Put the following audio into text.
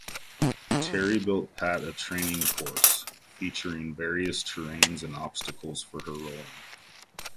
Terry built Pat a training course, featuring various terrains and obstacles for her rolling.